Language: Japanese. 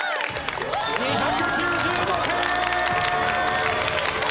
２９５点！